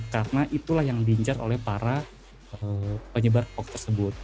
karena itulah yang diincar oleh para penyebar hoax tersebut